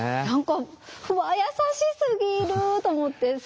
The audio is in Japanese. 何かわあ優しすぎると思って。